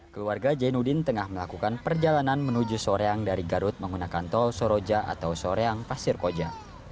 keluarga jainudin tengah melakukan perjalanan menuju soroyang dari garut menggunakan tol soroyang pasir koja